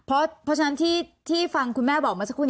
เพราะฉะนั้นที่ฟังคุณแม่บอกเมื่อสักครู่นี้